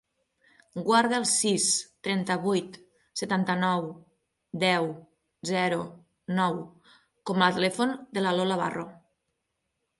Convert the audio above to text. Guarda el sis, trenta-vuit, setanta-nou, deu, zero, nou com a telèfon de la Lola Baro.